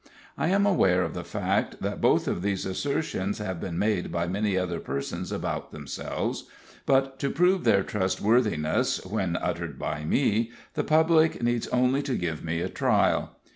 I am aware of the fact that both of these assertions have been made by many other persons about themselves; but to prove their trustworthiness when uttered by me, the public needs only to give me a trial.